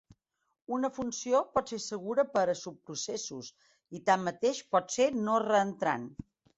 Una funció pot ser segura per a subprocessos i, tanmateix, pot ser no reentrant.